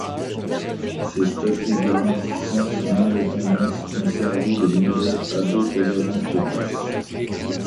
Ses statuts, garantissant son indépendance, ont servi de modèle à d'autres agences de presse.